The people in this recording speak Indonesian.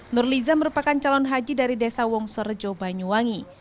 nurliza merupakan calon haji dari desa wongsorejo banyuwangi